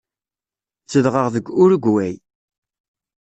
Zedɣeɣ deg Urugway.